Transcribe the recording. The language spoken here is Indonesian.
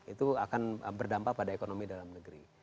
itu akan berdampak pada ekonomi dalam negeri